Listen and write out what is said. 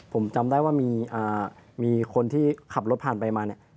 ผมจำได้ว่ามีคนที่ขับรถผ่านไปมาเนี่ย